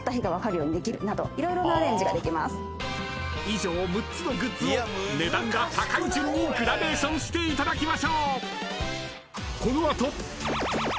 ［以上６つのグッズを値段が高い順にグラデーションしていただきましょう！］